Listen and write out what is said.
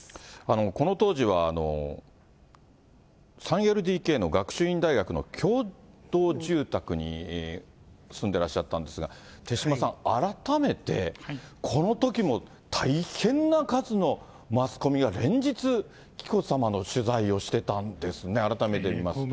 この当時は、３ＬＤＫの学習院大学の共同住宅に住んでらっしゃったんですが、手嶋さん、改めてこのときも大変な数のマスコミが、連日、紀子さまの取材をしてたんですね、改めて見ますと。